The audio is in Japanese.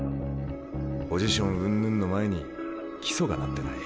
ポジションうんぬんの前に基礎がなってない。